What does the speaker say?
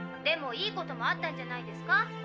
でもいいこともあったんじゃないんですか？